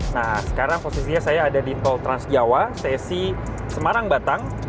nah sekarang posisinya saya ada di tol transjawa sesi semarang batang